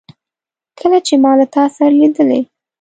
کله چي ما له تا سره لیدلې